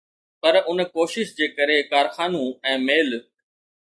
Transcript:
پر ان ڪوشش جي ڪري ڪارخانو ۽ ميل